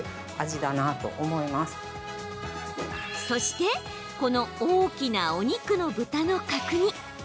そしてこの大きなお肉の豚の角煮